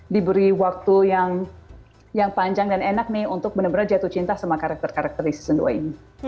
diberi waktu yang panjang dan enak nih untuk benar benar jatuh cinta sama karakter karakter di season dua ini